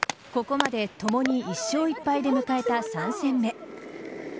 ここまでともに１勝１敗で迎えた３戦目。